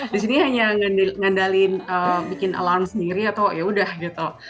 di sini hanya mengandalkan bikin alarm sendiri atau ya udah gitu